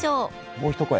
もう一声。